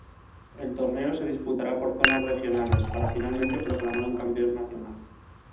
El torneo se disputará por zonas regionales, para finalmente proclamar un campeón nacional.